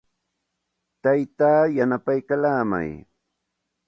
Taytaa yanapaykallaamay.